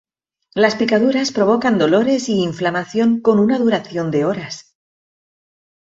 Las picaduras provocan dolores y inflamación con una duración de horas.